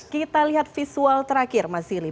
kita lihat visual terakhir mas sili